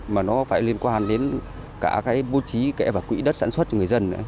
và nó phải liên quan đến cả cái bố chí kể cả quỹ đất sản xuất cho người dân